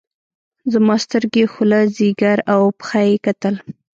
زما سترګې خوله ځيګر او پښه يې کتل.